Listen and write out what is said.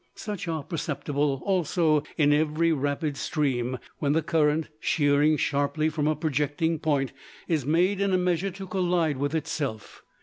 Such are perceptible also in every rapid stream, when the current, sheering sharply from a projecting point, is made in a measure to collide with itself.